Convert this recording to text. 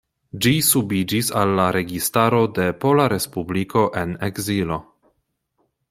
Ĝi subiĝis al la Registaro de Pola Respubliko en ekzilo.